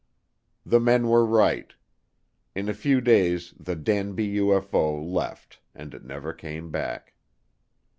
The men were right. In a few days the Danby UFO left and it never came back.